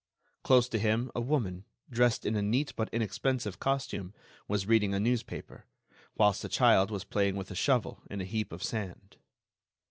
Close to him a woman, dressed in a neat but inexpensive costume, was reading a newspaper, whilst a child was playing with a shovel in a heap of sand.